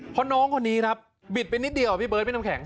เพราะน้องคนนี้ครับบิดไปนิดเดียวพี่เบิร์ดพี่น้ำแข็ง